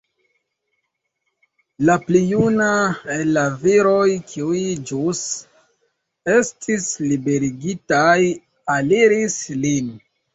La pli juna el la viroj, kiuj ĵus estis liberigitaj, aliris lin.